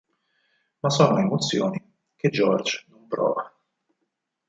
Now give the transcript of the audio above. Ma sono emozioni che George non prova.